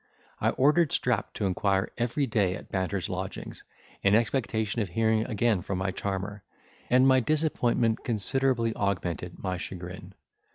I ordered Strap to inquire every day at Banter's lodgings, in expectation of hearing again from my charmer; and my disappointment considerably, augmented my chagrin.